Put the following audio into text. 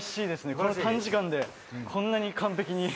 この短時間でこんなに完璧に。